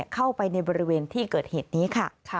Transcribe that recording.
เข้าไปในบริเวณที่เกิดเหตุนี้ค่ะ